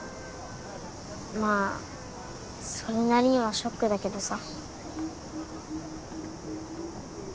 まあそれなりにはショックだけどさ。